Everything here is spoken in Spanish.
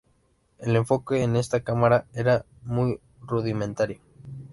El enfoque en esta cámara era muy rudimentario.